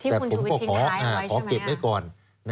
แต่ผมก็ขอเก็บไว้ก่อน